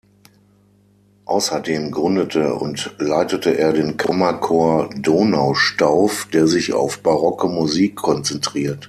Außerdem gründete und leitete er den Kammerchor Donaustauf, der sich auf barocke Musik konzentriert.